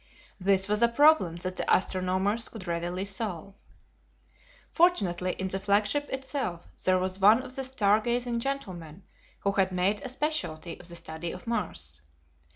This was a problem that the astronomers could readily solve. Fortunately, in the flagship itself there was one of the star gazing gentlemen who had made a specialty of the study of Mars.